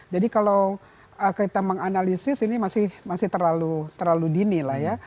jadi kalau kita menganalisis ini masih terlalu dini lah ya